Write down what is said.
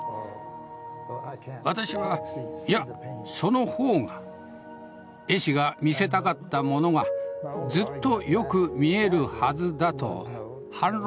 私は「いやその方が絵師が見せたかったものがずっとよく見えるはずだ」と反論しました。